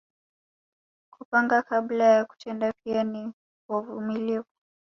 Kupanga kabla ya kutenda pia ni wavumilivu